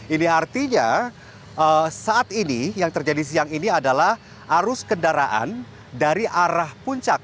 ini artinya saat ini yang terjadi siang ini adalah arus kendaraan dari arah puncak